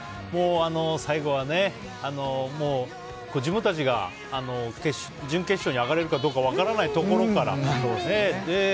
最後は、自分たちが準決勝に上がれるかどうか分からないところから。